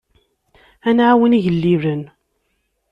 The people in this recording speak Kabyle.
Ad nɛawen igellilen.